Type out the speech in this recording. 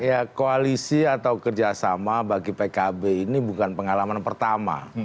ya koalisi atau kerjasama bagi pkb ini bukan pengalaman pertama